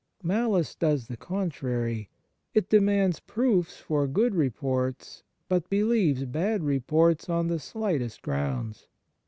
Malice does the contrary. It demands proofs for good reports, but believes bad reports on the slightest grounds.